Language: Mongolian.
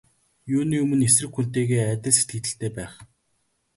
Юуны өмнө эсрэг хүнтэйгээ адил сэтгэгдэлтэй байх.